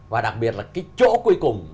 và đặc biệt là cái chỗ cuối cùng